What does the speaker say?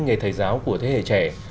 nghề thầy giáo của thế hệ trẻ